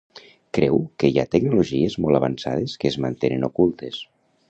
Creu que hi ha tecnologies molt avançades que es mantenen ocultes.